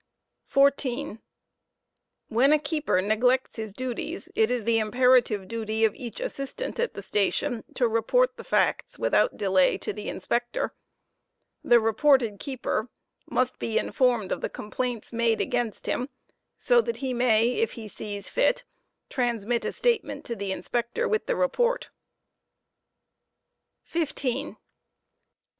Negioot of 14. When a keeper neglects his duties, it is the imperative duty of each assistant ilStstonte °to p r£ at the station to report the facts, without delay, to the Inspector. The reported keeper part must be iuformed of the complaints made against him, so that he may, if he sees fit, transmit a statement to the Inspector with the report ^j^fflcau^ht 15.